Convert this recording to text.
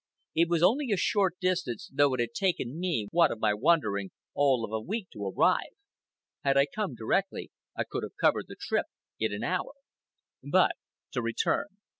It was only a short distance, though it had taken me, what of my wandering, all of a week to arrive. Had I come directly, I could have covered the trip in an hour. But to return.